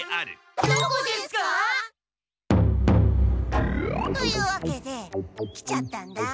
どこですか？というわけで来ちゃったんだ。